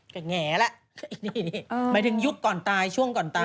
ก็แง่แล้วนี่หมายถึงยุคก่อนตายช่วงก่อนตาย